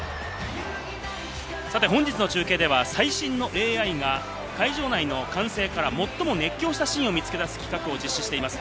本日の中継では最新のＡＩが会場内の歓声から最も熱狂したシーンを見つけ出す企画を実施しています。